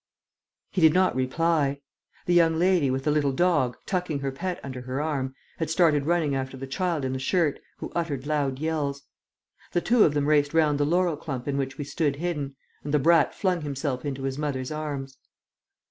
He did not reply. The young lady with the little dog, tucking her pet under her arm, had started running after the child in the shirt, who uttered loud yells. The two of them raced round the laurel clump in which we stood hidden; and the brat flung himself into his mother's arms.